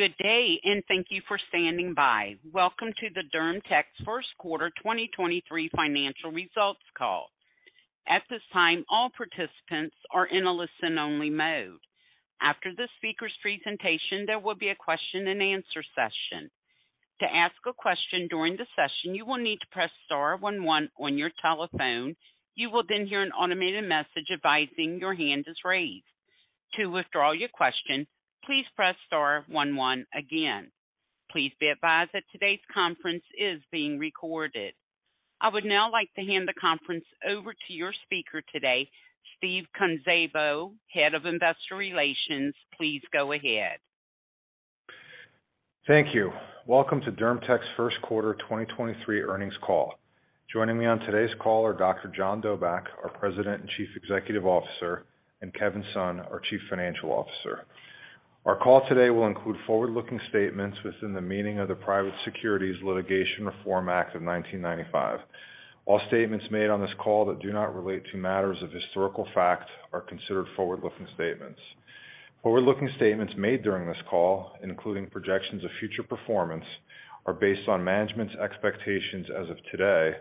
Good day, thank you for standing by. Welcome to the DermTech's Q1 2023 financial results call. At this time, all participants are in a listen-only mode. After the speaker's presentation, there will be a question-and-answer session. To ask a question during the session, you will need to press star one one on your telephone. You will hear an automated message advising your hand is raised. To withdraw your question, please press star one one again. Please be advised that today's conference is being recorded. I would now like to hand the conference over to your speaker today, Steve Kunszabo, Head of Investor Relations. Please go ahead. Thank you. Welcome to DermTech's first-quarter 2023 earnings call. Joining me on today's call are Dr. John Dobak, our President and Chief Executive Officer, and Kevin Sun, our Chief Financial Officer. Our call today will include forward-looking statements within the meaning of the Private Securities Litigation Reform Act of 1995. All statements made on this call that do not relate to matters of historical fact are considered forward-looking statements. Forward-looking statements made during this call, including projections of future performance, are based on management's expectations as of today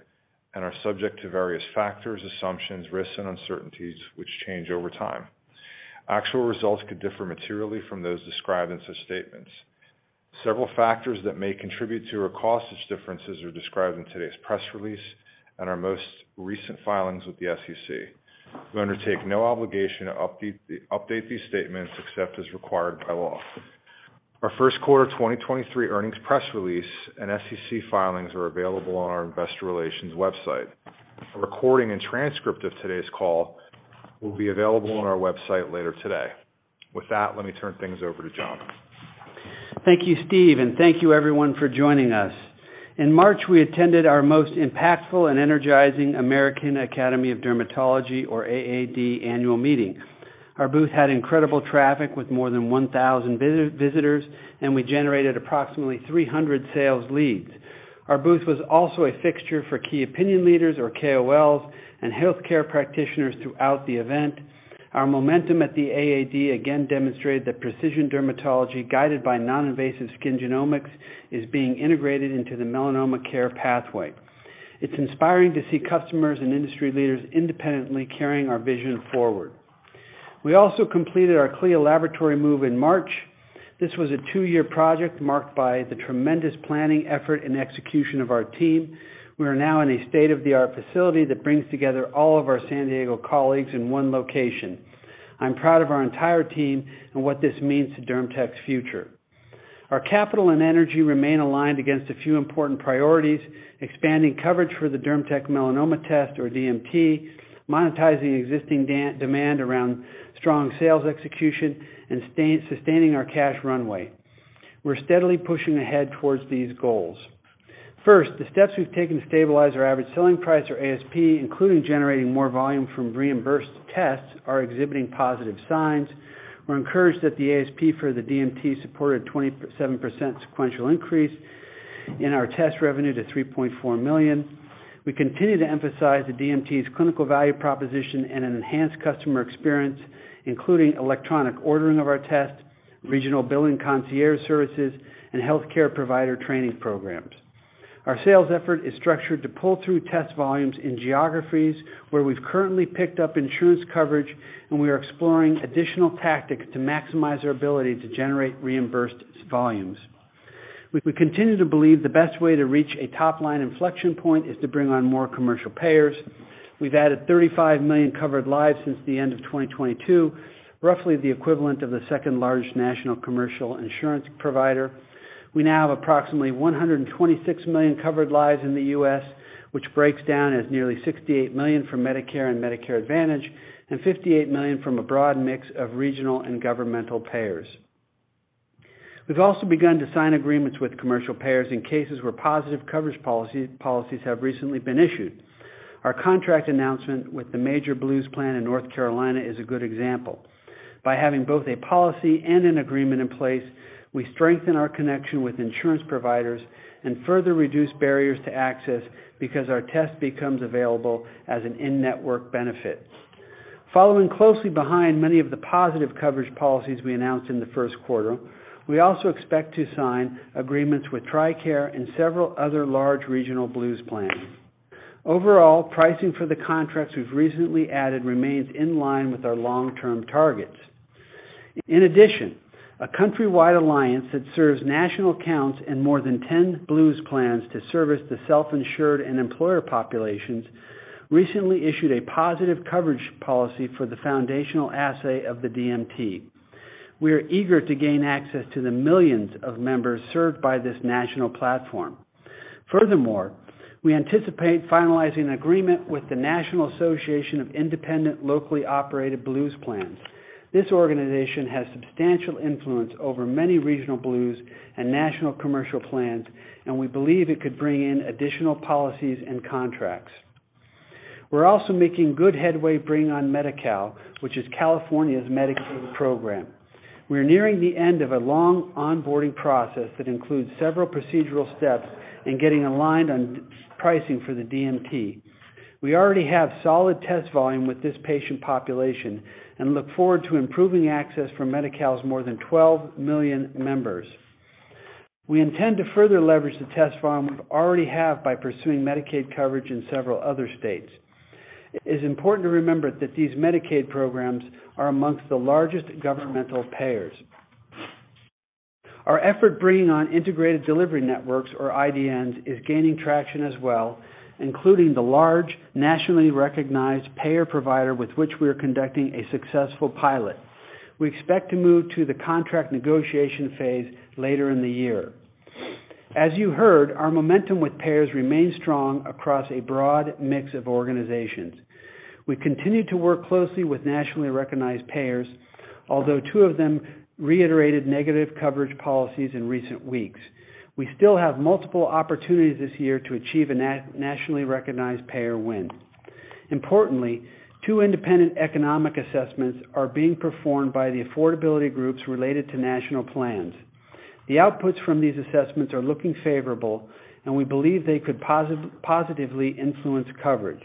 and are subject to various factors, assumptions, risks, and uncertainties which change over time. Actual results could differ materially from those described in such statements. Several factors that may contribute to or cause such differences are described in today's press release and our most recent filings with the SEC. We undertake no obligation to update these statements except as required by law. Our first-quarter 2023 earnings press release and SEC filings are available on our investor relations website. A recording and transcript of today's call will be available on our website later today. With that, let me turn things over to John. Thank you, Steve. Thank you, everyone, for joining us. In March, we attended our most impactful and energizing American Academy of Dermatology, or AAD, annual meeting. Our booth had incredible traffic with more than 1,000 visitors, and we generated approximately 300 sales leads. Our booth was also a fixture for key opinion leaders or KOLs and healthcare practitioners throughout the event. Our momentum at the AAD again demonstrated that precision dermatology, guided by non-invasive skin genomics, is being integrated into the melanoma care pathway. It's inspiring to see customers and industry leaders independently carrying our vision forward. We also completed our CLIA laboratory move in March. This was a 2-year project marked by the tremendous planning effort and execution of our team. We are now in a state-of-the-art facility that brings together all of our San Diego colleagues in one location. I'm proud of our entire team and what this means to DermTech's future. Our capital and energy remain aligned against a few important priorities, expanding coverage for the DermTech Melanoma Test or DMT, monetizing existing demand around strong sales execution, and sustaining our cash runway. We're steadily pushing ahead towards these goals. First, the steps we've taken to stabilize our average selling price or ASP, including generating more volume from reimbursed tests, are exhibiting positive signs. We're encouraged that the ASP for the DMT supported 27% sequential increase in our test revenue to $3.4 million. We continue to emphasize the DMT's clinical value proposition and an enhanced customer experience, including electronic ordering of our tests, regional billing concierge services, and healthcare provider training programs. Our sales effort is structured to pull through test volumes in geographies where we've currently picked up insurance coverage. We are exploring additional tactics to maximize our ability to generate reimbursed volumes. We continue to believe the best way to reach a top-line inflection point is to bring on more commercial payers. We've added 35 million covered lives since the end of 2022, roughly the equivalent of the second-largest national commercial insurance provider. We now have approximately 126 million covered lives in the U.S., which breaks down as nearly 68 million from Medicare and Medicare Advantage and 58 million from a broad mix of regional and governmental payers. We've also begun to sign agreements with commercial payers in cases where positive coverage policies have recently been issued. Our contract announcement with the major Blues plan in North Carolina is a good example. By having both a policy and an agreement in place, we strengthen our connection with insurance providers and further reduce barriers to access because our test becomes available as an in-network benefit. Following closely behind many of the positive coverage policies we announced in the Q1, we also expect to sign agreements with TRICARE and several other large regional Blues Plans. Overall, pricing for the contracts we've recently added remains in line with our long-term targets. In addition, a countrywide alliance that serves national accounts and more than 10 Blues Plans to service the self-insured and employer populations recently issued a positive coverage policy for the foundational assay of the DMT. We are eager to gain access to the millions of members served by this national platform. Furthermore, we anticipate finalizing an agreement with the National Association of Independent Locally Operated Blues Plans. This organization has substantial influence over many regional Blues and national commercial plans, and we believe it could bring in additional policies and contracts. We're also making good headway bringing on Medi-Cal, which is California's Medicaid program. We are nearing the end of a long onboarding process that includes several procedural steps and getting aligned on pricing for the DMT. We already have solid test volume with this patient population and look forward to improving access for Medi-Cal's more than 12 million members. We intend to further leverage the test volume we already have by pursuing Medicaid coverage in several other states. It is important to remember that these Medicaid programs are among the largest governmental payers. Our effort bringing on integrated delivery networks, or IDNs, is gaining traction as well, including the large, nationally recognized payer provider with which we are conducting a successful pilot. We expect to move to the contract negotiation phase later in the year. As you heard, our momentum with payers remains strong across a broad mix of organizations. We continue to work closely with nationally recognized payers, although two of them reiterated negative coverage policies in recent weeks. We still have multiple opportunities this year to achieve a nationally recognized payer win. Importantly, two independent economic assessments are being performed by the affordability groups related to national plans. The outputs from these assessments are looking favorable, and we believe they could positively influence coverage.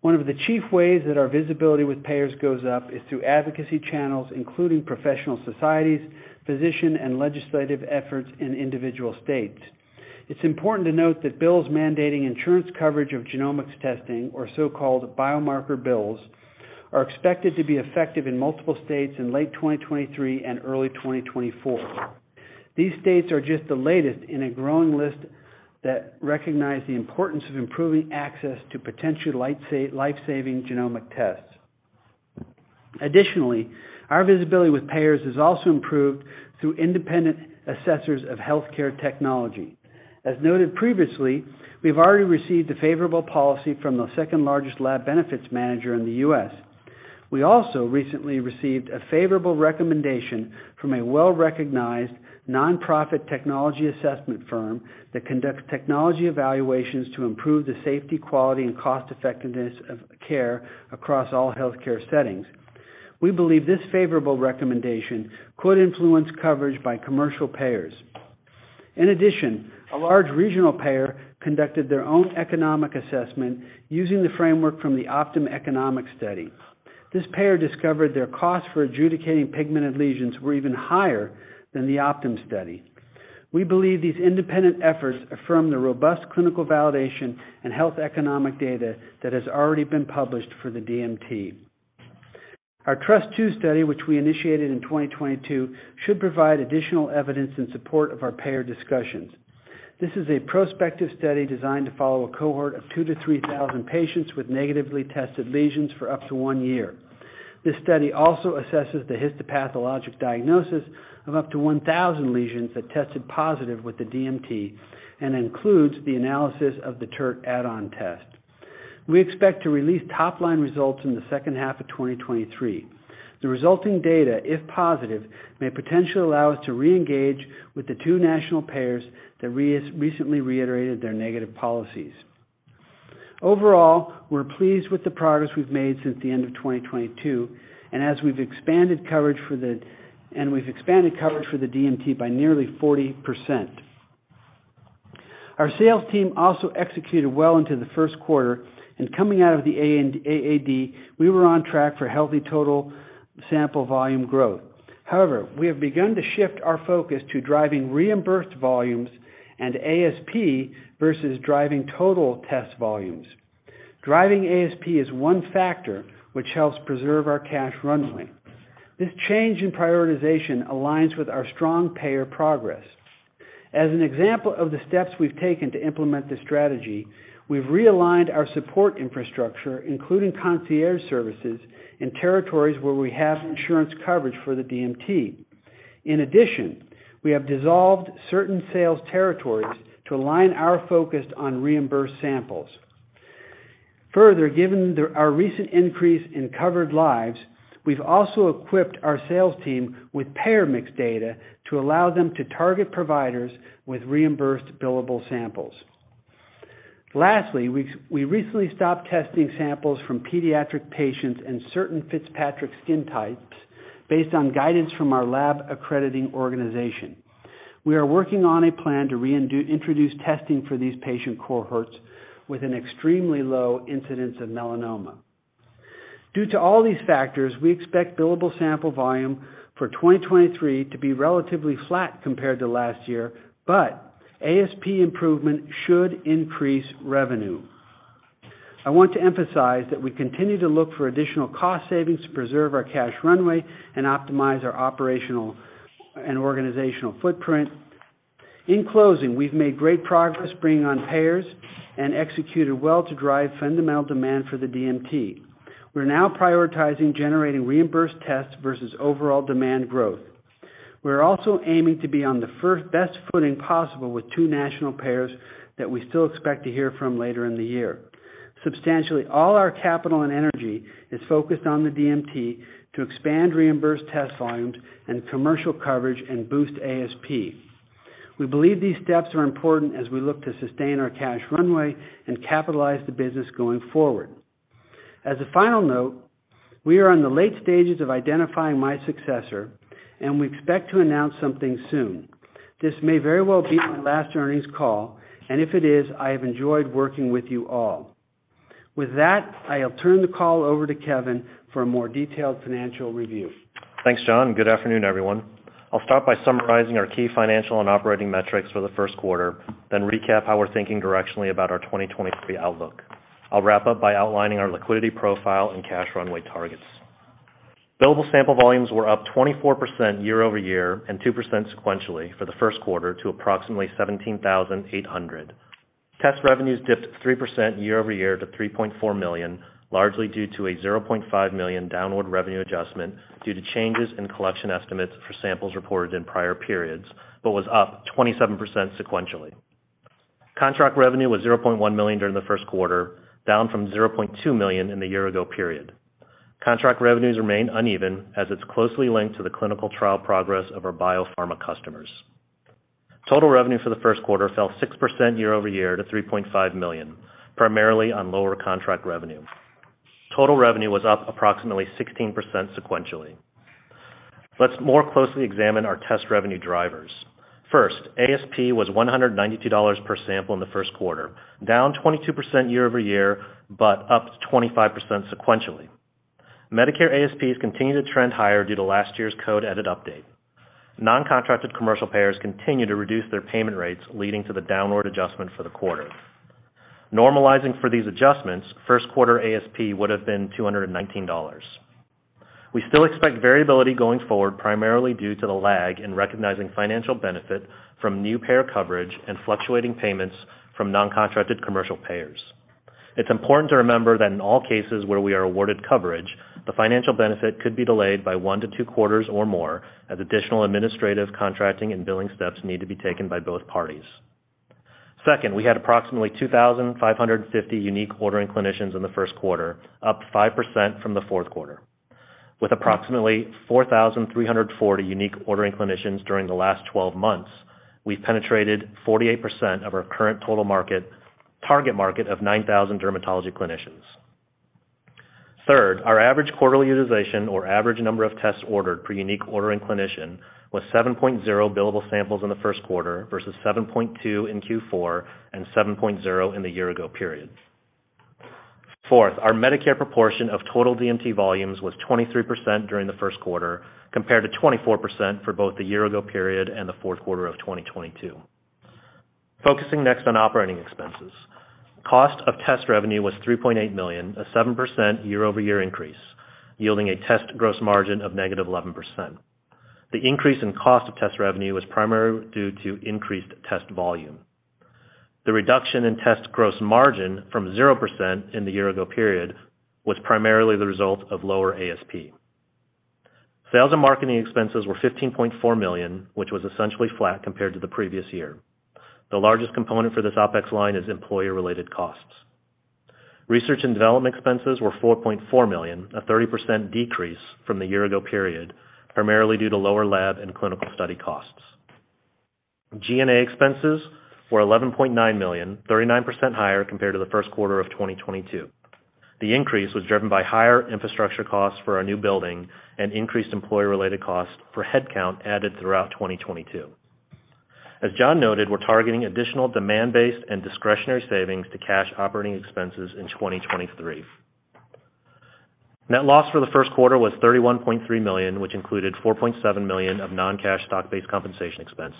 One of the chief ways that our visibility with payers goes up is through advocacy channels, including professional societies, physician and legislative efforts in individual states. It's important to note that bills mandating insurance coverage of genomics testing, or so-called biomarker bills, are expected to be effective in multiple states in late 2023 and early 2024. These states are just the latest in a growing list that recognize the importance of improving access to potential life-saving genomic tests. Our visibility with payers has also improved through independent assessors of healthcare technology. As noted previously, we've already received a favorable policy from the second-largest lab benefits manager in the U.S. We also recently received a favorable recommendation from a well-recognized nonprofit technology assessment firm that conducts technology evaluations to improve the safety, quality, and cost-effectiveness of care across all healthcare settings. We believe this favorable recommendation could influence coverage by commercial payers. A large regional payer conducted their own economic assessment using the framework from the Optum economic study. This payer discovered their costs for adjudicating pigmented lesions were even higher than the Optum study. We believe these independent efforts affirm the robust clinical validation and health economic data that has already been published for the DMT. Our TRUST II study, which we initiated in 2022, should provide additional evidence in support of our payer discussions. This is a prospective study designed to follow a cohort of 2,000-3,000 patients with negatively tested lesions for up to one year. This study also assesses the histopathologic diagnosis of up to 1,000 lesions that tested positive with the DMT and includes the analysis of the TERT add-on test. We expect to release top-line results in the second half of 2023. The resulting data, if positive, may potentially allow us to reengage with the two national payers that recently reiterated their negative policies. Overall, we're pleased with the progress we've made since the end of 2022, and we've expanded coverage for the DMT by nearly 40%. Our sales team also executed well into the Q1, and coming out of the AAD, we were on track for healthy total sample volume growth. However, we have begun to shift our focus to driving reimbursed volumes and ASP versus driving total test volumes. Driving ASP is one factor which helps preserve our cash runway. This change in prioritization aligns with our strong payer progress. As an example of the steps we've taken to implement this strategy, we've realigned our support infrastructure, including concierge services, in territories where we have insurance coverage for the DMT. In addition, we have dissolved certain sales territories to align our focus on reimbursed samples. Further, given our recent increase in covered lives, we've also equipped our sales team with payer mix data to allow them to target providers with reimbursed billable samples. Lastly, we recently stopped testing samples from pediatric patients and certain Fitzpatrick skin types based on guidance from our lab accrediting organization. We are working on a plan to reintroduce testing for these patient cohorts with an extremely low incidence of melanoma. Due to all these factors, we expect billable sample volume for 2023 to be relatively flat compared to last year, but ASP improvement should increase revenue. I want to emphasize that we continue to look for additional cost savings to preserve our cash runway and optimize our operational and organizational footprint. In closing, we've made great progress bringing on payers and executed well to drive fundamental demand for the DMT. We're now prioritizing generating reimbursed tests versus overall demand growth. We're also aiming to be on the best footing possible with two national payers that we still expect to hear from later in the year. Substantially all our capital and energy is focused on the DMT to expand reimbursed test volumes and commercial coverage and boost ASP. We believe these steps are important as we look to sustain our cash runway and capitalize the business going forward. As a final note, we are in the late stages of identifying my successor, and we expect to announce something soon. This may very well be my last earnings call, and if it is, I have enjoyed working with you all. With that, I'll turn the call over to Kevin for a more detailed financial review. Thanks, John. Good afternoon, everyone. I'll start by summarizing our key financial and operating metrics for the Q1, then recap how we're thinking directionally about our 2023 outlook. I'll wrap up by outlining our liquidity profile and cash runway targets. Billable sample volumes were up 24% year-over-year and 2% sequentially for the Q1 to approximately 17,800. Test revenues dipped 3% year-over-year to $3.4 million, largely due to a $0.5 million downward revenue adjustment due to changes in collection estimates for samples reported in prior periods, but was up 27% sequentially. Contract revenue was $0.1 million during the Q1, down from $0.2 million in the year ago period. Contract revenues remain uneven as it's closely linked to the clinical trial progress of our biopharma customers. Total revenue for the Q1 fell 6% year-over-year to $3.5 million, primarily on lower contract revenue. Total revenue was up approximately 16% sequentially. Let's more closely examine our test revenue drivers. First, ASP was $192 per sample in the Q1, down 22% year-over-year, but up 25% sequentially. Medicare ASPs continue to trend higher due to last year's code edit update. Non-contracted commercial payers continue to reduce their payment rates, leading to the downward adjustment for the quarter. Normalizing for these adjustments, Q1 ASP would have been $219. We still expect variability going forward primarily due to the lag in recognizing financial benefit from new payer coverage and fluctuating payments from non-contracted commercial payers. It's important to remember that in all cases where we are awarded coverage, the financial benefit could be delayed by 1 to 2 quarters or more as additional administrative contracting and billing steps need to be taken by both parties. Second, we had approximately 2,550 unique ordering clinicians in the Q1, up 5% from the Q4. With approximately 4,340 unique ordering clinicians during the last 12 months, we've penetrated 48% of our current total market, target market of 9,000 dermatology clinicians. Third, our average quarterly utilization or average number of tests ordered per unique ordering clinician was 7.0 billable samples in the Q1 versus 7.2 in Q4 and 7.0 in the year ago period. Fourth, our Medicare proportion of total DMT volumes was 23% during the Q1, compared to 24% for both the year-ago period and the Q4 of 2022. Focusing next on operating expenses. Cost of test revenue was $3.8 million, a 7% year-over-year increase, yielding a test gross margin of negative 11%. The increase in cost of test revenue was primarily due to increased test volume. The reduction in test gross margin from 0% in the year-ago period was primarily the result of lower ASP. Sales and marketing expenses were $15.4 million, which was essentially flat compared to the previous year. The largest component for this OpEx line is employee-related costs. Research and development expenses were $4.4 million, a 30% decrease from the year ago period, primarily due to lower lab and clinical study costs. G&A expenses were $11.9 million, 39% higher compared to the Q1 of 2022. The increase was driven by higher infrastructure costs for our new building and increased employee related costs for headcount added throughout 2022. As John noted, we're targeting additional demand-based and discretionary savings to cash operating expenses in 2023. Net loss for the Q1 was $31.3 million, which included $4.7 million of non-cash stock-based compensation expense,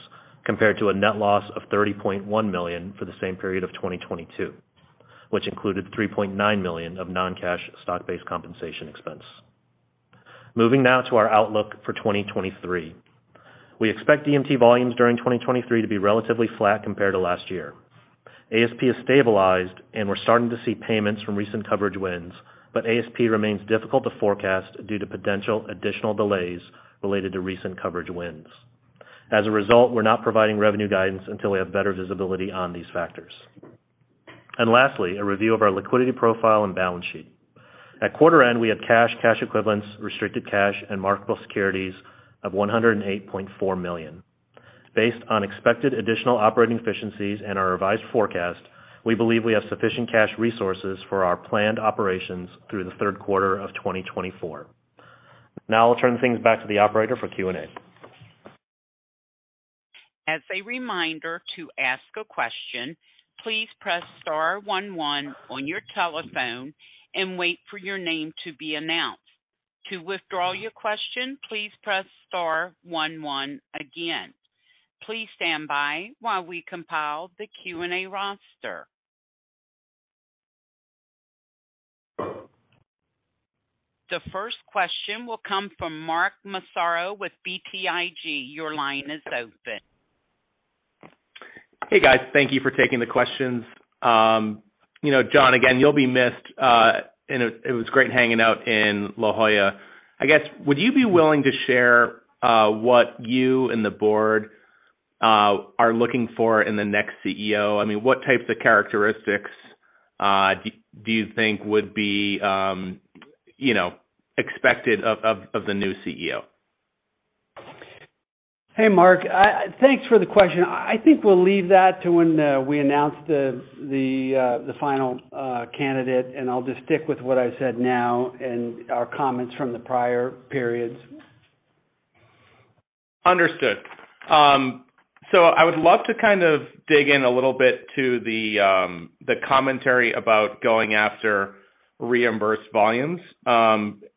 compared to a net loss of $30.1 million for the same period of 2022, which included $3.9 million of non-cash stock-based compensation expense. Moving now to our outlook for 2023. We expect DMT volumes during 2023 to be relatively flat compared to last year. ASP has stabilized, and we're starting to see payments from recent coverage wins, but ASP remains difficult to forecast due to potential additional delays related to recent coverage wins. As a result, we're not providing revenue guidance until we have better visibility on these factors. Lastly, a review of our liquidity profile and balance sheet. At quarter end, we had cash equivalents, restricted cash, and marketable securities of $108.4 million. Based on expected additional operating efficiencies and our revised forecast, we believe we have sufficient cash resources for our planned operations through the Q3 of 2024. Now I'll turn things back to the operator for Q&A. As a reminder, to ask a question, please press star one one on your telephone and wait for your name to be announced. To withdraw your question, please press star one one again. Please stand by while we compile the Q&A roster. The first question will come from Mark Massaro with BTIG. Your line is open. Hey, guys. Thank you for taking the questions. You know, John, again, you'll be missed, and it was great hanging out in La Jolla. I guess, would you be willing to share, what you and the board are looking for in the next CEO? I mean, what types of characteristics, do you think would be, you know, expected of the new CEO? Hey, Mark. Thanks for the question. I think we'll leave that to when we announce the final candidate, and I'll just stick with what I said now and our comments from the prior periods. Understood. I would love to kind of dig in a little bit to the commentary about going after reimbursed volumes.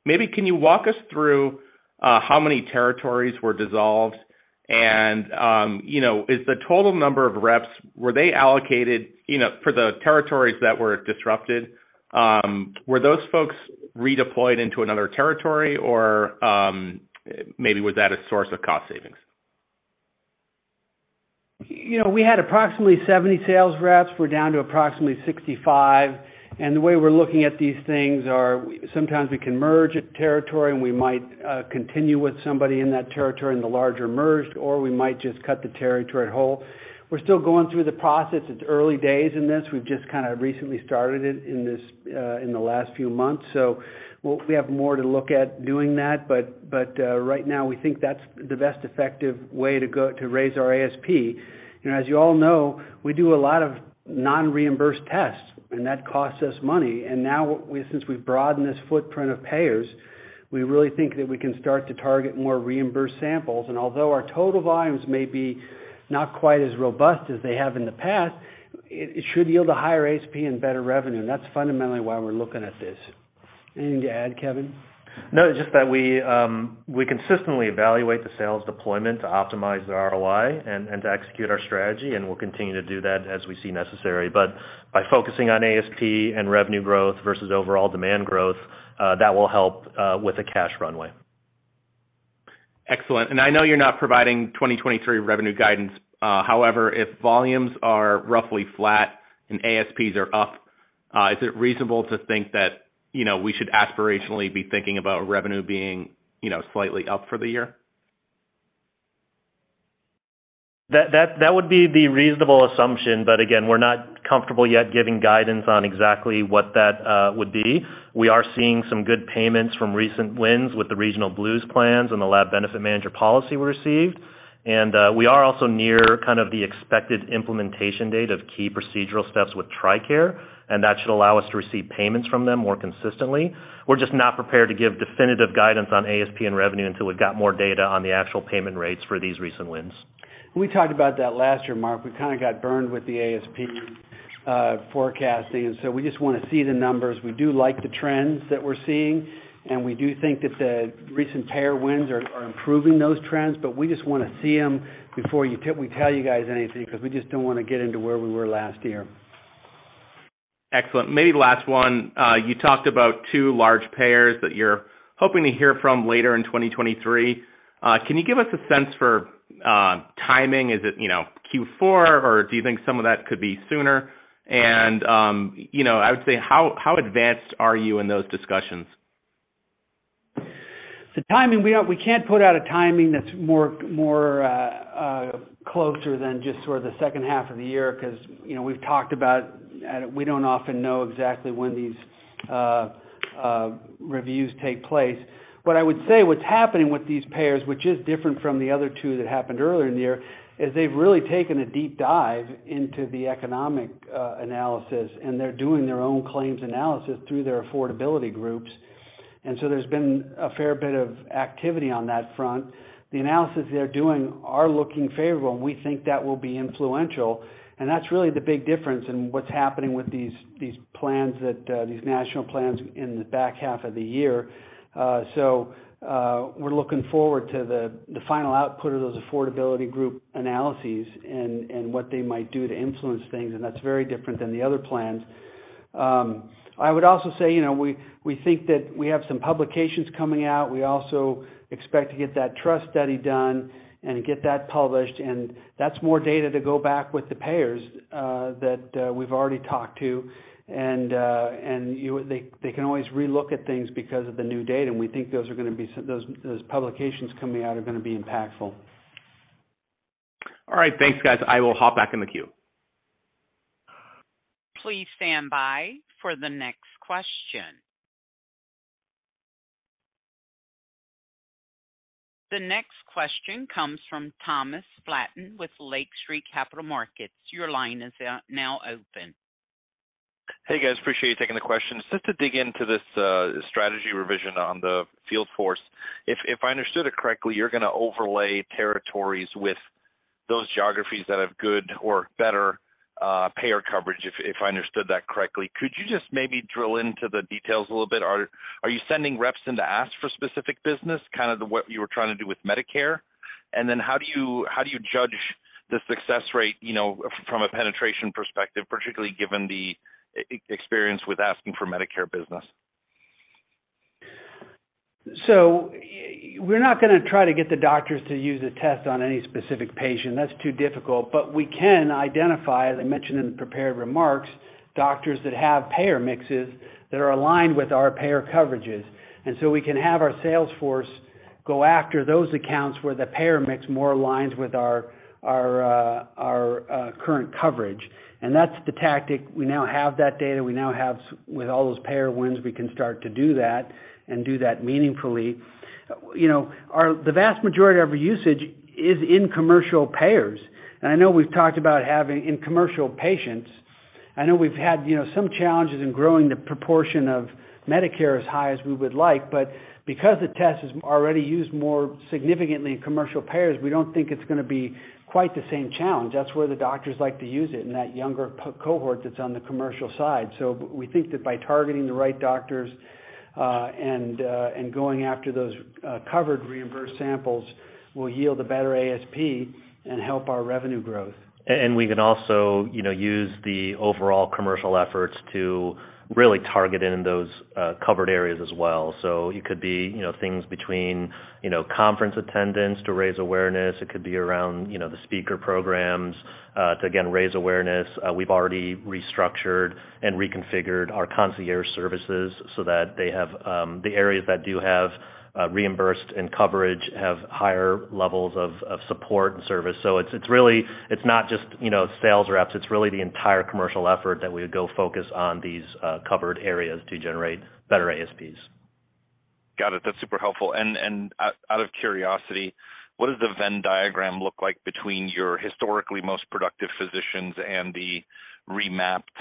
Maybe can you walk us through how many territories were dissolved and, you know, is the total number of reps, were they allocated, you know, for the territories that were disrupted, were those folks redeployed into another territory or, maybe was that a source of cost savings? You know, we had approximately 70 sales reps. We're down to approximately 65. The way we're looking at these things are sometimes we can merge a territory, and we might continue with somebody in that territory in the larger merged, or we might just cut the territory whole. We're still going through the process. It's early days in this. We've just kind of recently started it in this, in the last few months. We have more to look at doing that. Right now, we think that's the best effective way to go to raise our ASP. You know, as you all know, we do a lot of non-reimbursed tests, and that costs us money. Now since we've broadened this footprint of payers, we really think that we can start to target more reimbursed samples. Although our total volumes may be not quite as robust as they have in the past, it should yield a higher ASP and better revenue. That's fundamentally why we're looking at this. Anything to add, Kevin? Just that we consistently evaluate the sales deployment to optimize the ROI and to execute our strategy, and we'll continue to do that as we see necessary. By focusing on ASP and revenue growth versus overall demand growth, that will help with the cash runway. Excellent. I know you're not providing 2023 revenue guidance. However, if volumes are roughly flat and ASPs are up, is it reasonable to think that, you know, we should aspirationally be thinking about revenue being, you know, slightly up for the year? That would be the reasonable assumption. Again, we're not comfortable yet giving guidance on exactly what that would be. We are seeing some good payments from recent wins with the regional Blues plans and the lab benefit manager policy we received. We are also near kind of the expected implementation date of key procedural steps with TRICARE, and that should allow us to receive payments from them more consistently. We're just not prepared to give definitive guidance on ASP and revenue until we've got more data on the actual payment rates for these recent wins. We talked about that last year, Mark. We kinda got burned with the ASP forecasting, we just wanna see the numbers. We do like the trends that we're seeing, we do think that the recent payer wins are improving those trends, we just wanna see them before we tell you guys anything because we just don't wanna get into where we were last year. Excellent. Maybe the last one, you talked about two large payers that you're hoping to hear from later in 2023. Can you give us a sense for timing? Is it, you know, Q4, or do you think some of that could be sooner? You know, I would say how advanced are you in those discussions? The timing, we can't put out a timing that's more closer than just sort of the second half of the year 'cause, you know, we've talked about, we don't often know exactly when these reviews take place. What I would say, what's happening with these payers, which is different from the other two that happened earlier in the year, is they've really taken a deep dive into the economic analysis, and they're doing their own claims analysis through their affordability groups. There's been a fair bit of activity on that front. The analysis they're doing are looking favorable, and we think that will be influential. That's really the big difference in what's happening with these plans that, these national plans in the back half of the year. We're looking forward to the final output of those affordability group analyses and what they might do to influence things. That's very different than the other plans. I would also say, you know, we think that we have some publications coming out. We also expect to get that TRUST study done and get that published, and that's more data to go back with the payers, that we've already talked to. They can always relook at things because of the new data, and we think those are gonna be those publications coming out are gonna be impactful. All right. Thanks, guys. I will hop back in the queue. Please stand by for the next question. The next question comes from Thomas Flaten with Lake Street Capital Markets. Your line is now open. Hey, guys. Appreciate you taking the questions. Just to dig into this strategy revision on the field force. If I understood it correctly, you're gonna overlay territories with those geographies that have good or better payer coverage, if I understood that correctly. Could you just maybe drill into the details a little bit? Are you sending reps in to ask for specific business, kind of what you were trying to do with Medicare? How do you judge the success rate, you know, from a penetration perspective, particularly given the experience with asking for Medicare business? We're not gonna try to get the doctors to use a test on any specific patient. That's too difficult. We can identify, as I mentioned in the prepared remarks, doctors that have payer mixes that are aligned with our payer coverages. We can have our sales force go after those accounts where the payer mix more aligns with our current coverage. That's the tactic. We now have that data. We now have with all those payer wins, we can start to do that and do that meaningfully. You know, the vast majority of our usage is in commercial payers. I know we've talked about having in commercial patients. I know we've had, you know, some challenges in growing the proportion of Medicare as high as we would like. Because the test is already used more significantly in commercial payers, we don't think it's gonna be quite the same challenge. That's where the doctors like to use it, in that younger co-cohort that's on the commercial side. We think that by targeting the right doctors, and going after those, covered reimbursed samples will yield a better ASP and help our revenue growth. We can also, you know, use the overall commercial efforts to really target in those covered areas as well. It could be, you know, things between, you know, conference attendance to raise awareness. It could be around, you know, the speaker programs to again, raise awareness. We've already restructured and reconfigured our concierge services so that they have the areas that do have reimbursed and coverage have higher levels of support and service. It's not just, you know, sales reps, it's really the entire commercial effort that we go focus on these covered areas to generate better ASPs. Got it. That's super helpful. Out of curiosity, what does the Venn diagram look like between your historically most productive physicians and the remapped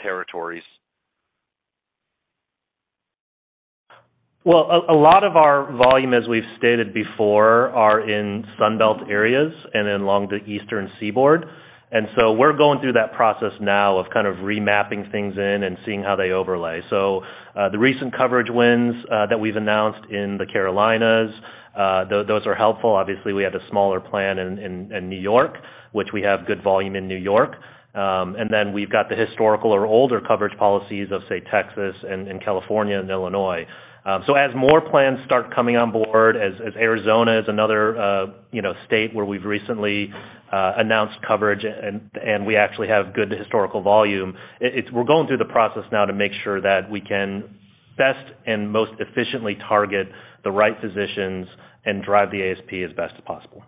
territories? A lot of our volume, as we've stated before, are in Sun Belt areas and along the Eastern Seaboard. We're going through that process now of kind of remapping things in and seeing how they overlay. The recent coverage wins that we've announced in the Carolinas, those are helpful. Obviously, we had a smaller plan in New York, which we have good volume in New York. We've got the historical or older coverage policies of, say, Texas and California and Illinois. As more plans start coming on board, as Arizona is another, you know, state where we've recently announced coverage and we actually have good historical volume, we're going through the process now to make sure that we can best and most efficiently target the right physicians and drive the ASP as best as possible.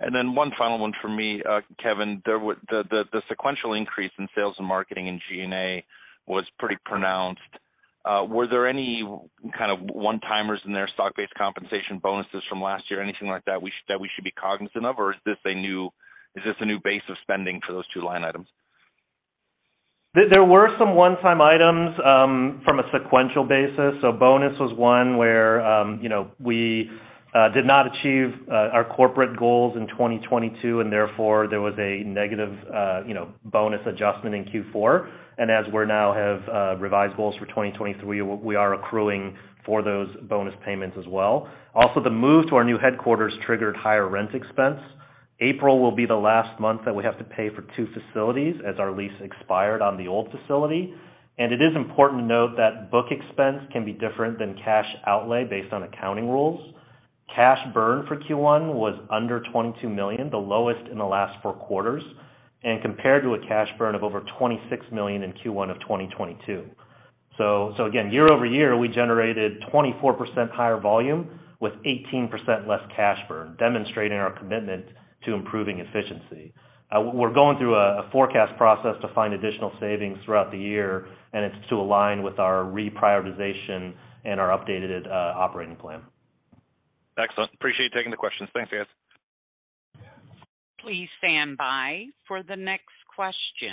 One final one for me, Kevin. The sequential increase in sales and marketing in G&A was pretty pronounced. Were there any kind of one-timers in there, stock-based compensation bonuses from last year, anything like that we should be cognizant of? Or is this a new base of spending for those two line items? There were some one-time items from a sequential basis. Bonus was one where, you know, we did not achieve our corporate goals in 2022, and therefore, there was a negative, you know, bonus adjustment in Q4. As we're now have revised goals for 2023, we are accruing for those bonus payments as well. Also, the move to our new headquarters triggered higher rent expense. April will be the last month that we have to pay for two facilities as our lease expired on the old facility. It is important to note that book expense can be different than cash outlay based on accounting rules. Cash burn for Q1 was under $22 million, the lowest in the last four quarters, and compared to a cash burn of over $26 million in Q1 of 2022. Again, year-over-year, we generated 24% higher volume with 18% less cash burn, demonstrating our commitment to improving efficiency. We're going through a forecast process to find additional savings throughout the year, and it's to align with our reprioritization and our updated operating plan. Excellent. Appreciate you taking the questions. Thanks, guys. Please stand by for the next question.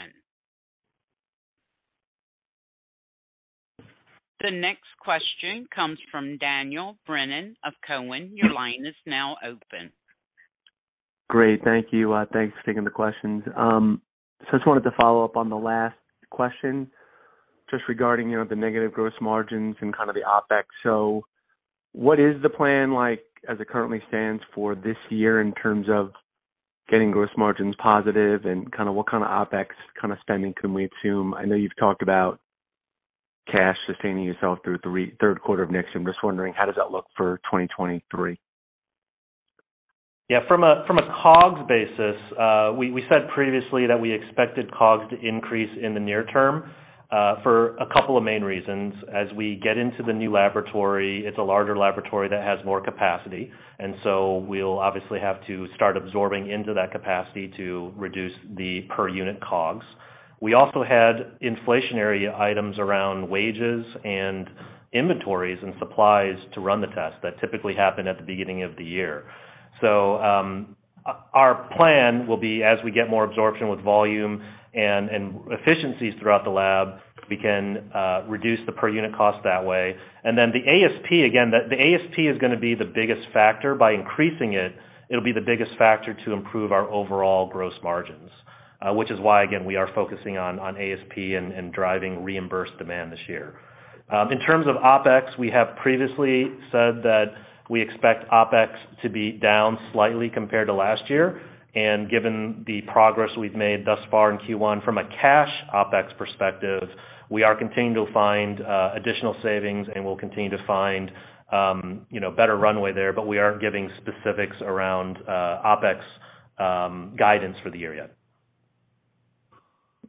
The next question comes from Daniel Brennan of Cowen. Your line is now open. Great. Thank you. Thanks for taking the questions. Just wanted to follow up on the last question just regarding, you know, the negative gross margins and kind of the OpEx. What is the plan like as it currently stands for this year in terms of getting gross margins positive and kind of what kind of OpEx kind of spending can we assume? I know you've talked about cash sustaining yourself through Q3 of next year. I'm just wondering, how does that look for 2023? Yeah. From a COGS basis, we said previously that we expected COGS to increase in the near term for a couple of main reasons. As we get into the new laboratory, it's a larger laboratory that has more capacity, we'll obviously have to start absorbing into that capacity to reduce the per unit COGS. We also had inflationary items around wages and inventories and supplies to run the test that typically happen at the beginning of the year. Our plan will be, as we get more absorption with volume and efficiencies throughout the lab, we can reduce the per unit cost that way. The ASP, again, the ASP is gonna be the biggest factor. By increasing it'll be the biggest factor to improve our overall gross margins, which is why, again, we are focusing on ASP and driving reimbursed demand this year. In terms of OpEx, we have previously said that we expect OpEx to be down slightly compared to last year. Given the progress we've made thus far in Q1 from a cash OpEx perspective, we are continuing to find additional savings and we'll continue to find, you know, better runway there, but we aren't giving specifics around OpEx guidance for the year yet.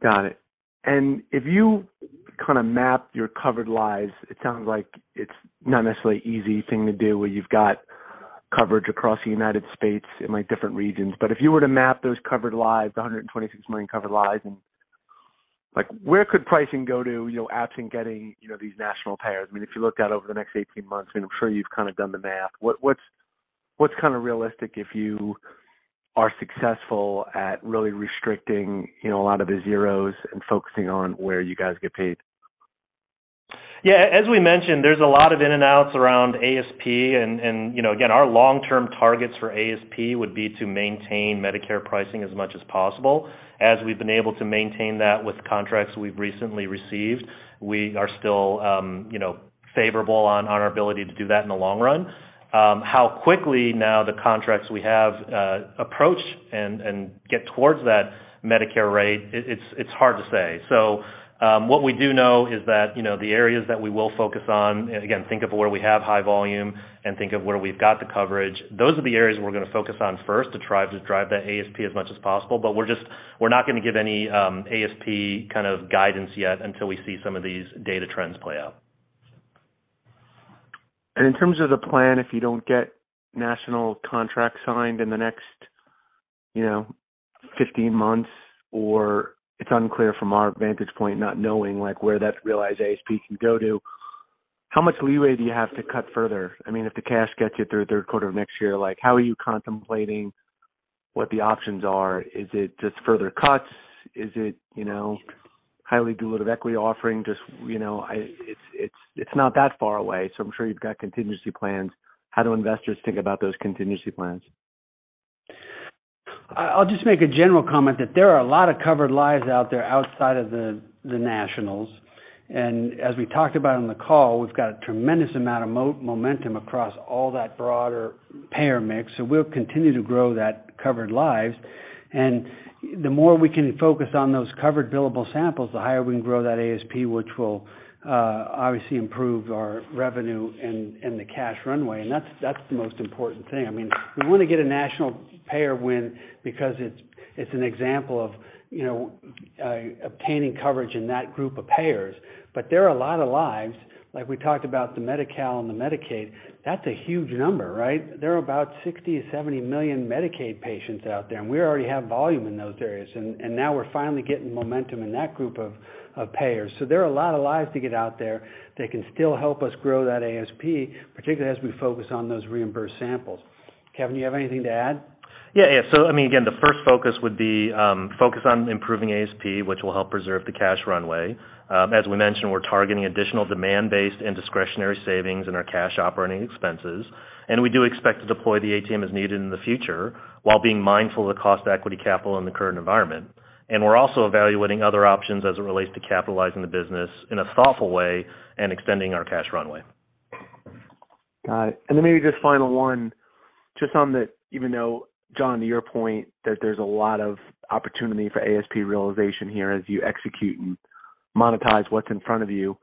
Got it. If you kinda map your covered lives, it sounds like it's not necessarily easy thing to do where you've got coverage across the United States in like different regions. If you were to map those covered lives, the $126 million covered lives, and like where could pricing go to, you know, absent getting, you know, these national payers? I mean, if you look out over the next 18 months, and I'm sure you've kind of done the math, What's kinda realistic if you are successful at really restricting, you know, a lot of the zeros and focusing on where you guys get paid? Yeah, as we mentioned, there's a lot of in and outs around ASP and, you know, again, our long-term targets for ASP would be to maintain Medicare pricing as much as possible. As we've been able to maintain that with contracts we've recently received, we are still, you know, favorable on our ability to do that in the long run. How quickly now the contracts we have, approach and get towards that Medicare rate, it's hard to say. What we do know is that, you know, the areas that we will focus on, again, think of where we have high volume and think of where we've got the coverage, those are the areas we're gonna focus on first to try to drive that ASP as much as possible. We're just, we're not gonna give any ASP kind of guidance yet until we see some of these data trends play out. In terms of the plan, if you don't get national contracts signed in the next, you know, 15 months, or it's unclear from our vantage point, not knowing like where that realized ASP can go to, how much leeway do you have to cut further? I mean, if the cash gets you through 3rd quarter of next year, like, how are you contemplating what the options are? Is it just further cuts? Is it, you know, highly dilutive equity offering? Just, you know, it's not that far away, so I'm sure you've got contingency plans. How do investors think about those contingency plans? I'll just make a general comment that there are a lot of covered lives out there outside of the nationals. As we talked about on the call, we've got a tremendous amount of momentum across all that broader payer mix. We'll continue to grow that covered lives. The more we can focus on those covered billable samples, the higher we can grow that ASP, which will obviously improve our revenue and the cash runway. That's the most important thing. I mean, we wanna get a national payer win because it's an example of, you know, obtaining coverage in that group of payers. There are a lot of lives, like we talked about the Medi-Cal and the Medicaid, that's a huge number, right? There are about 60 million-70 million Medicaid patients out there, and we already have volume in those areas. Now we're finally getting momentum in that group of payers. There are a lot of lives to get out there that can still help us grow that ASP, particularly as we focus on those reimbursed samples. Kevin, you have anything to add? Yeah, yeah. I mean, again, the first focus would be focus on improving ASP, which will help preserve the cash runway. As we mentioned, we're targeting additional demand-based and discretionary savings in our cash operating expenses. We do expect to deploy the ATM as needed in the future while being mindful of the cost of equity capital in the current environment. We're also evaluating other options as it relates to capitalizing the business in a thoughtful way and extending our cash runway. Got it. Then maybe just final one, just on the, even though, John, to your point, that there's a lot of opportunity for ASP realization here as you execute and monetize what's in front of you.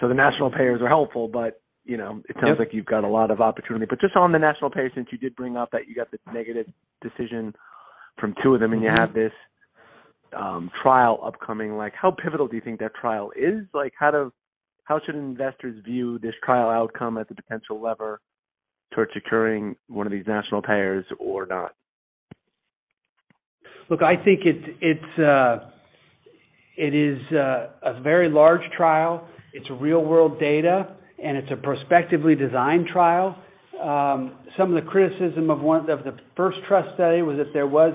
The national payers are helpful, but, you know- Yep. it sounds like you've got a lot of opportunity. Just on the national payer, since you did bring up that you got this negative decision from two of them, and you have this trial upcoming, like how pivotal do you think that trial is? Like how should investors view this trial outcome as a potential lever towards securing one of these national payers or not? Look, I think it's, it is a very large trial. It's real-world data, it's a prospectively designed trial. Some of the criticism of one of the first TRUST study was that there was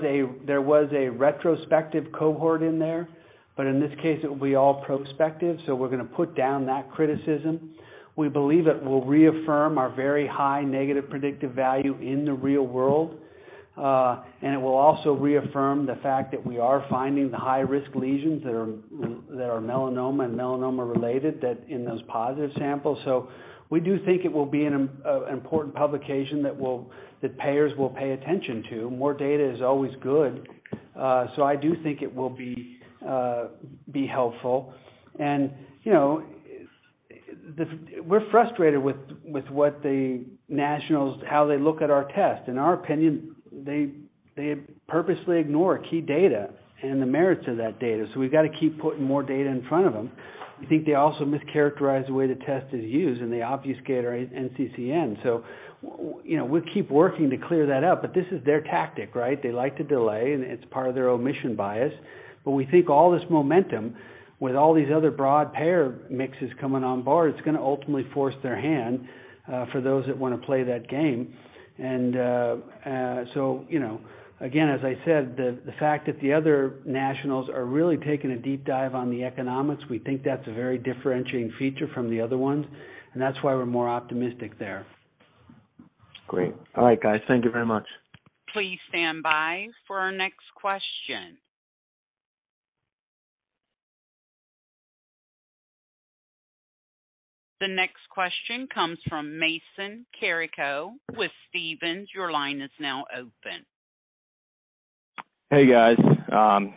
a retrospective cohort in there. In this case, it will be all prospective, so we're gonna put down that criticism. We believe it will reaffirm our very high negative predictive value in the real world, and it will also reaffirm the fact that we are finding the high-risk lesions that are melanoma and melanoma related that in those positive samples. We do think it will be an important publication that will, that payers will pay attention to. More data is always good. I do think it will be helpful. You know, we're frustrated with what the nationals, how they look at our test. In our opinion, they purposely ignore key data and the merits of that data. We've got to keep putting more data in front of them. I think they also mischaracterize the way the test is used, and they obfuscate our NCCN. We, you know, we'll keep working to clear that up, but this is their tactic, right? They like to delay, and it's part of their omission bias. We think all this momentum with all these other broad payer mixes coming on board, it's gonna ultimately force their hand for those that wanna play that game. You know, again, as I said, the fact that the other nationals are really taking a deep dive on the economics, we think that's a very differentiating feature from the other ones, and that's why we're more optimistic there. Great. All right, guys. Thank you very much. Please stand by for our next question. The next question comes from Mason Carrico with Stephens. Your line is now open. Hey, guys.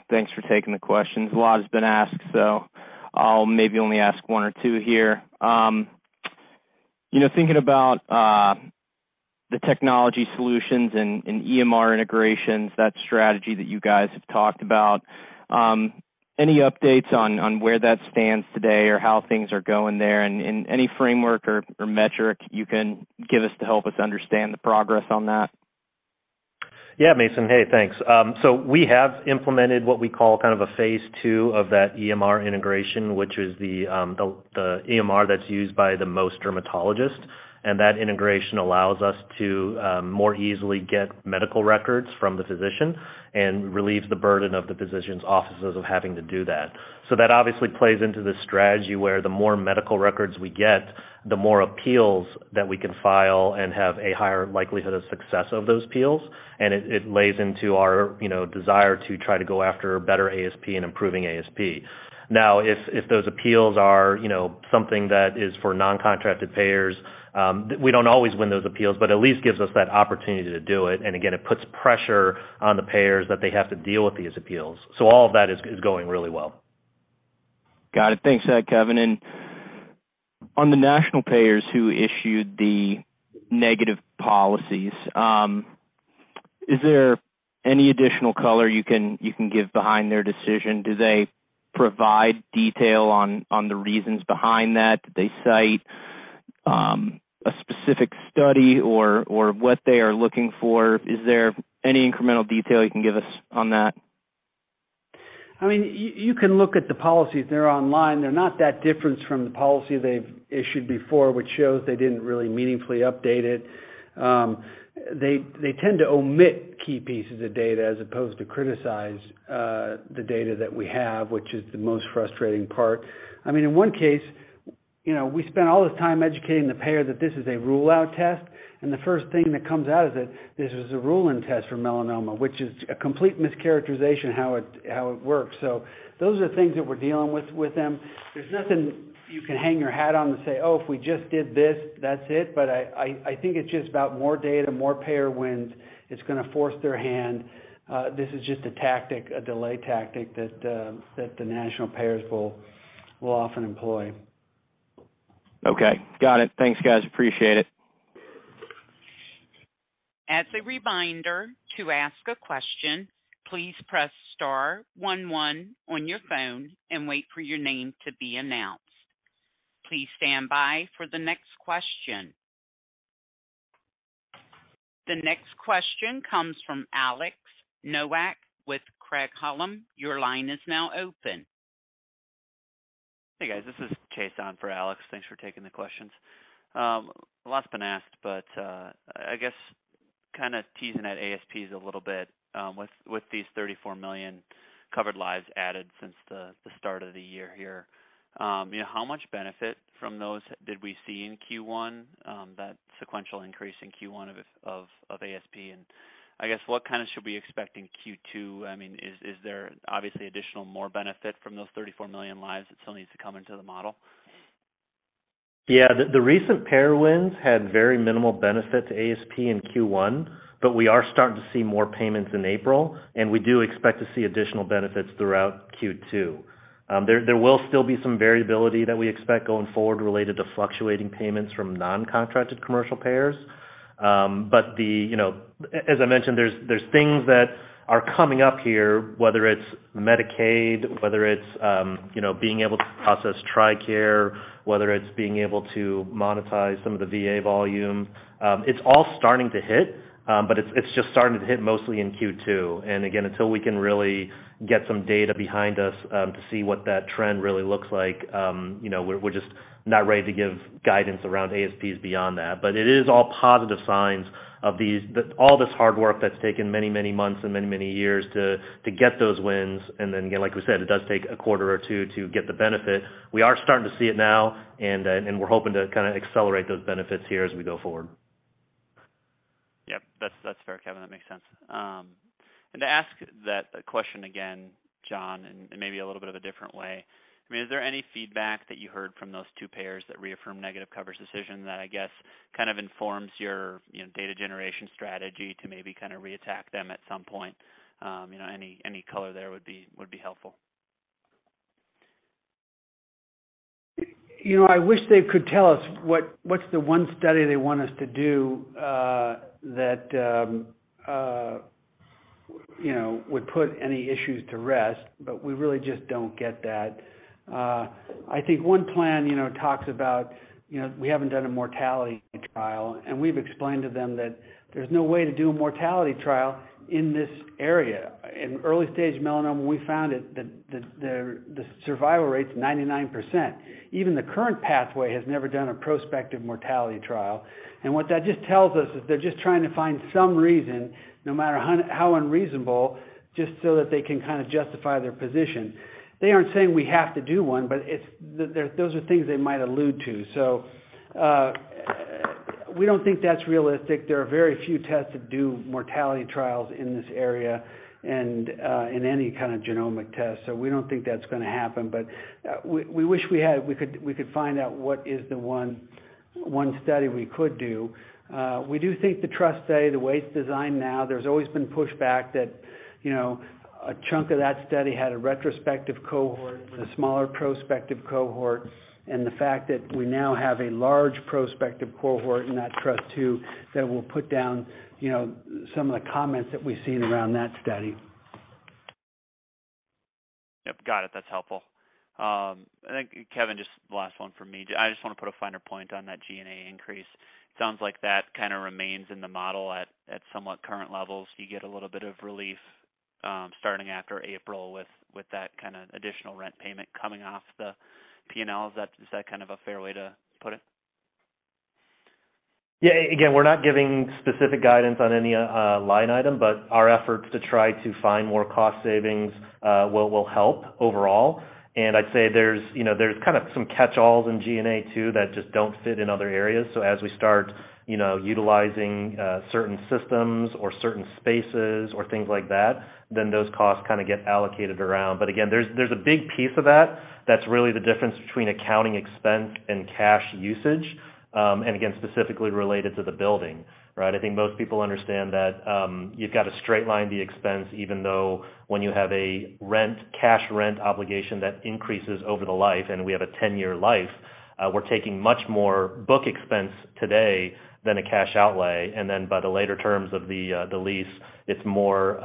thanks for taking the questions. A lot has been asked, so I'll maybe only ask 1 or 2 here. you know, thinking about the technology solutions and EMR integrations, that strategy that you guys have talked about, any updates on where that stands today or how things are going there? Any framework or metric you can give us to help us understand the progress on that? Yeah, Mason. Hey, thanks. We have implemented what we call kind of a phase two of that EMR integration, which is the EMR that's used by the most dermatologists. That integration allows us to more easily get medical records from the physician and relieves the burden of the physician's offices of having to do that. That obviously plays into the strategy where the more medical records we get, the more appeals that we can file and have a higher likelihood of success of those appeals. It lays into our, you know, desire to try to go after better ASP and improving ASP. Now, if those appeals are, you know, something that is for non-contracted payers, we don't always win those appeals, but at least gives us that opportunity to do it. Again, it puts pressure on the payers that they have to deal with these appeals. All of that is going really well. Got it. Thanks for that, Kevin. On the national payers who issued the negative policies, is there any additional color you can give behind their decision? Do they provide detail on the reasons behind that? Do they cite a specific study or what they are looking for? Is there any incremental detail you can give us on that? I mean, you can look at the policies, they're online. They're not that different from the policy they've issued before, which shows they didn't really meaningfully update it. They tend to omit key pieces of data as opposed to criticize the data that we have, which is the most frustrating part. I mean, in one case, you know, we spent all this time educating the payer that this is a rule-out test, and the first thing that comes out is that this is a rule-in test for melanoma, which is a complete mischaracterization how it works. Those are things that we're dealing with them. There's nothing you can hang your hat on and say, "Oh, if we just did this, that's it." I think it's just about more data, more payer wins. It's gonna force their hand. This is just a tactic, a delay tactic that the national payers will often employ. Okay. Got it. Thanks, guys. Appreciate it. As a reminder, to ask a question, please press star one one on your phone and wait for your name to be announced. Please stand by for the next question. The next question comes from Alex Nowak with Craig-Hallum. Your line is now open. Hey, guys. This is Chase on for Alex. Thanks for taking the questions. A lot's been asked, but I guess kind of teasing at ASPs a little bit, with these $34 million covered lives added since the start of the year here. You know, how much benefit from those did we see in Q1, that sequential increase in Q1 of ASP? I guess what kind of should be expecting Q2? I mean, is there obviously additional more benefit from those $34 million lives that still needs to come into the model? Yeah. The, the recent payer wins had very minimal benefit to ASP in Q1, but we are starting to see more payments in April, and we do expect to see additional benefits throughout Q2. There, there will still be some variability that we expect going forward related to fluctuating payments from non-contracted commercial payers. But the, you know, as I mentioned, there's things that are coming up here, whether it's Medicaid, whether it's, you know, being able to process TRICARE, whether it's being able to monetize some of the VA volume. It's all starting to hit, but it's just starting to hit mostly in Q2. Again, until we can really get some data behind us, to see what that trend really looks like, you know, we're just not ready to give guidance around ASPs beyond that. it is all positive signs of these... all this hard work that's taken many, many months and many, many years to get those wins, and then, you know, like we said, it does take a quarter or two to get the benefit. We are starting to see it now and we're hoping to kind of accelerate those benefits here as we go forward. Yep. That's fair, Kevin. That makes sense. To ask that question again, John, and maybe a little bit of a different way. I mean, is there any feedback that you heard from those two payers that reaffirmed negative coverage decision that I guess kind of informs your, you know, data generation strategy to maybe kind of reattack them at some point? You know, any color there would be helpful. You know, I wish they could tell us what's the one study they want us to do, that, you know, would put any issues to rest, but we really just don't get that. I think one plan, you know, talks about, you know, we haven't done a mortality trial, and we've explained to them that there's no way to do a mortality trial in this area. In early-stage melanoma, we found it that the survival rate's 99%. Even the current pathway has never done a prospective mortality trial. What that just tells us is they're just trying to find some reason, no matter how unreasonable, just so that they can kind of justify their position. They aren't saying we have to do one, but it's. Those are things they might allude to. We don't think that's realistic. There are very few tests that do mortality trials in this area and in any kind of genomic test. We don't think that's gonna happen. We wish we had, we could find out what is the one study we could do. We do think the TRUST study, the way it's designed now, there's always been pushback that, you know, a chunk of that study had a retrospective cohort with a smaller prospective cohort, and the fact that we now have a large prospective cohort in that TRUST 2 that will put down, you know, some of the comments that we've seen around that study. Yep, got it. That's helpful. I think Kevin, just last one from me. I just wanna put a finer point on that G&A increase. Sounds like that kinda remains in the model at somewhat current levels. You get a little bit of relief, starting after April with that kinda additional rent payment coming off the P&L. Is that kind of a fair way to put it? Yeah. Again, we're not giving specific guidance on any line item, but our efforts to try to find more cost savings, will help overall. I'd say there's, you know, there's kind of some catch-alls in G&A too that just don't fit in other areas. As we start, you know, utilizing, certain systems or certain spaces or things like that, then those costs kinda get allocated around. Again, there's a big piece of that's really the difference between accounting expense and cash usage, and again, specifically related to the building, right? I think most people understand that, you've got to straight line the expense, even though when you have a rent, cash rent obligation that increases over the life, and we have a 10-year life, we're taking much more book expense today than a cash outlay. By the later terms of the lease, it's more,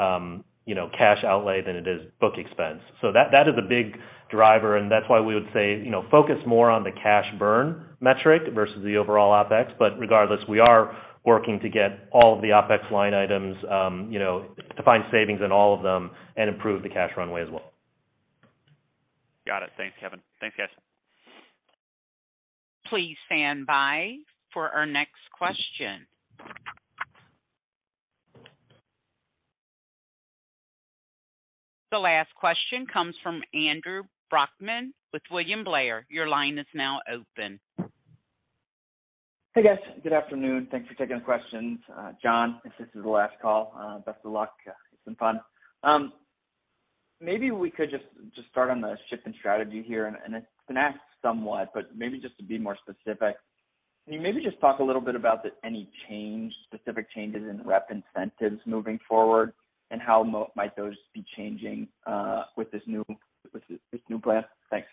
you know, cash outlay than it is book expense. That is a big driver, and that's why we would say, you know, focus more on the cash burn metric versus the overall OpEx. Regardless, we are working to get all of the OpEx line items, you know, to find savings in all of them and improve the cash runway as well. Got it. Thanks, Kevin. Thanks, guys. Please stand by for our next question. The last question comes from Andrew Brackmann with William Blair. Your line is now open. Hey, guys. Good afternoon. Thanks for taking the questions. John, if this is the last call, best of luck. It's been fun. Maybe we could just start on the shipping strategy here. It's been asked somewhat, but maybe just to be more specific. Can you maybe just talk a little bit about any change, specific changes in rep incentives moving forward and how might those be changing with this new plan? Thanks.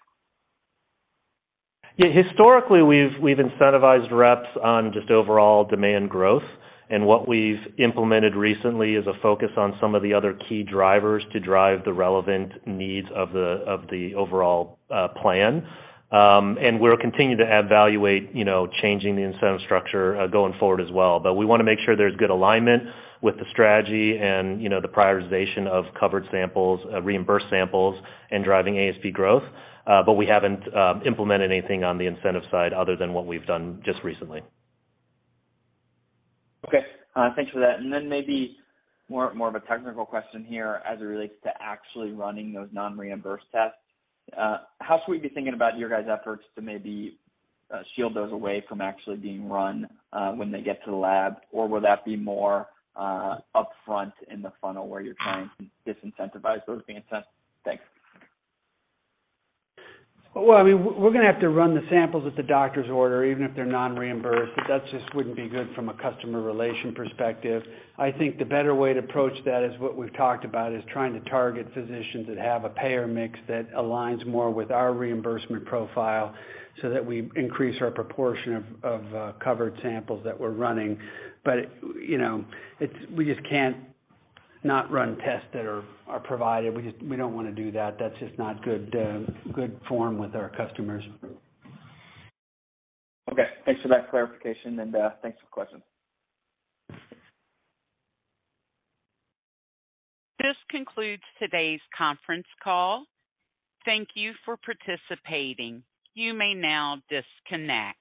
Yeah. Historically, we've incentivized reps on just overall demand growth. What we've implemented recently is a focus on some of the other key drivers to drive the relevant needs of the overall plan. We'll continue to evaluate, you know, changing the incentive structure going forward as well. We wanna make sure there's good alignment with the strategy and, you know, the prioritization of covered samples, reimbursed samples and driving ASP growth. We haven't implemented anything on the incentive side other than what we've done just recently. Okay. Thanks for that. Maybe more of a technical question here as it relates to actually running those non-reimbursed tests. How should we be thinking about your guys' efforts to maybe shield those away from actually being run when they get to the lab? Or will that be more upfront in the funnel where you're trying to disincentivize those being sent? Thanks? I mean, we're gonna have to run the samples that the doctors order, even if they're non-reimbursed. That just wouldn't be good from a customer relation perspective. I think the better way to approach that is what we've talked about, is trying to target physicians that have a payer mix that aligns more with our reimbursement profile so that we increase our proportion of covered samples that we're running. You know, it's, we just can't not run tests that are provided. We don't wanna do that. That's just not good form with our customers. Okay. Thanks for that clarification and, thanks for the question. This concludes today's conference call. Thank you for participating. You may now disconnect.